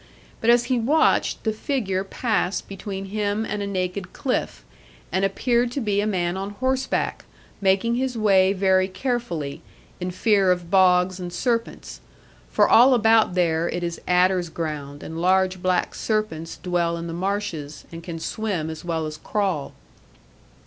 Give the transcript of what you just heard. But as he watched, the figure passed between him and a naked cliff, and appeared to be a man on horseback, making his way very carefully, in fear of bogs and serpents. For all about there it is adders' ground, and large black serpents dwell in the marshes, and can swim as well as crawl.